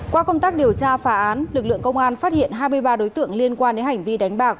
qua công tác điều tra phá án lực lượng công an phát hiện hai mươi ba đối tượng liên quan đến hành vi đánh bạc